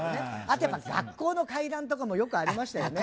あとやっぱり学校の怪談とかもよくありましたよね